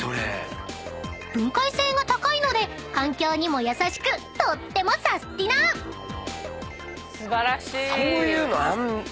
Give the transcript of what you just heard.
［分解性が高いので環境にも優しくとってもサスティな！］素晴らしい！